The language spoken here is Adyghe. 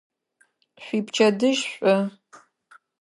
Шъуипчэдыжь шӏу!